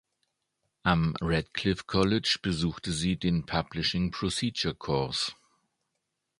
Am Radcliffe College besuchte sie den Publishing Procedures Course.